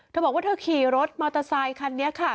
เธอบอกว่าเธอขี่รถมอเตอร์ไซคันนี้ค่ะ